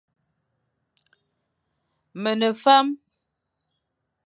Me ne fame.